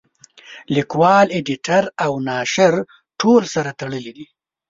لیکوال اېډیټر او ناشر ټول سره تړلي دي.